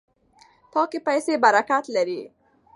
پاکې پیسې برکت لري.